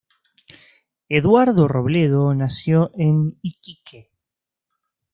Eduardo Robledo nació en Iquique.